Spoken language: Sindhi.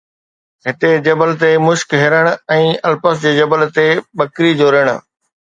هتي جبل تي مشڪ هرن، ۽ الپس جي جبل جي بکري جو رڻ